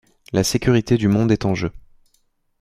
La sécurité du monde est en jeu.